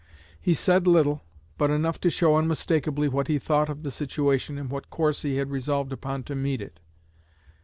He said little, but enough to show unmistakably what he thought of the situation and what course he had resolved upon to meet it.